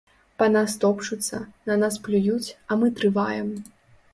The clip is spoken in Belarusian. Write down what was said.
Па нас топчуцца, на нас плююць, а мы трываем.